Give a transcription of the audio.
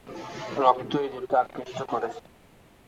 রক্ত ইঁদুরকে আকৃষ্ট করেছে।